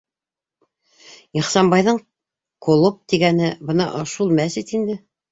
Ихсанбайҙың «колоп» тигәне бына шул мәсет инде.